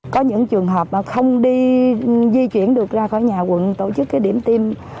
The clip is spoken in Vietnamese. có những trường hợp mà không đi di chuyển được ra khỏi nhà quận tổ chức cái điểm tiêm